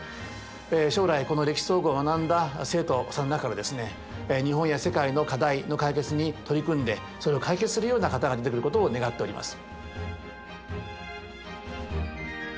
将来この「歴史総合」を学んだ生徒さんの中からですね日本や世界の課題の解決に取り組んでそれを解決するような方が出てくることを願っております。